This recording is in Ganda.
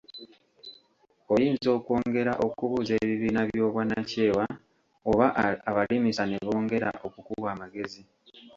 Oyinza okwongera okubuuza ebibiina by’obwannakyewa oba abalimisa ne bongera okukuwa amagezi.